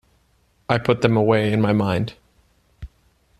I put them away in my mind.